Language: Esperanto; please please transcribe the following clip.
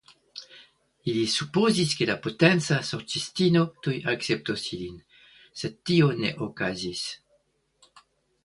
Ili supozis ke la Potenca Sorĉisto tuj akceptos ilin, sed tio ne okazis.